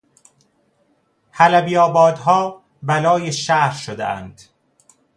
حلبیآبادها بلای شهر شدهاند.